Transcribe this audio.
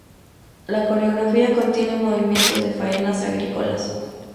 La coreografía contiene movimientos de faenas agrícolas